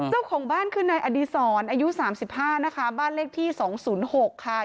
เจ้าของบ้านคือนายอดีศรอายุ๓๕นะคะบ้านเลขที่๒๐๖ค่ะ